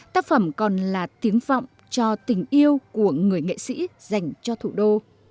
tác phẩm còn là tiếng vọng cho tình yêu của người nghệ sĩ dành cho thủ đô